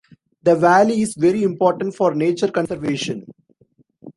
The valley is very important for nature conservation.